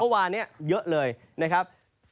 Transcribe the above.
พอวานเนี่ยเยอะเลยนะครับ